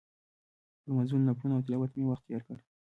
په لمونځونو، نفلونو او تلاوت مې وخت تېر کړ.